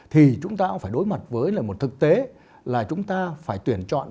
thì chúng ta cũng phải đối mặt với là một thực tế là chúng ta phải tuyển chọn